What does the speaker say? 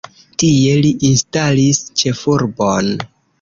Tie li instalis ĉefurbon.